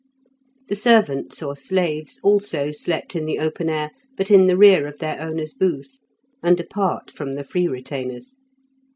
The servants, or slaves, also slept in the open air, but in the rear of their owner's booth, and apart from the free retainers.